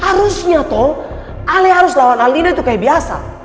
harusnya toh alih harus lawan alina itu kaya biasa